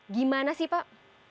gimana sih pak